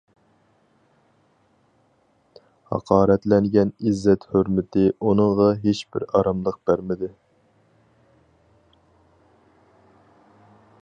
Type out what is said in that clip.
ھاقارەتلەنگەن ئىززەت ھۆرمىتى ئۇنىڭغا ھېچبىر ئاراملىق بەرمىدى.